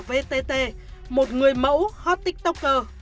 vtt một người mẫu hot tiktoker